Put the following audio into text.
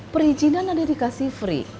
perizinan ada dikasih free